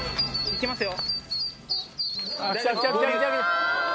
行きますよ。